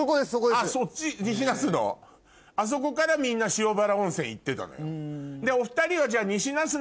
あそこからみんな塩原温泉行ってたのよ。